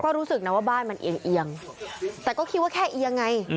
ก็รู้สึกนะว่าบ้านมันเอียงแต่ก็คิดว่าแค่เอียงไง